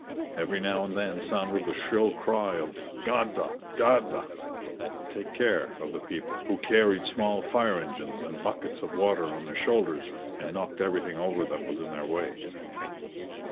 Every now and then sounded the shrill cry of "Guarda! guarda!" (take care) of the people, who carried small fire engines {330b} and buckets of water on their shoulders, and knocked everything over that was in their way.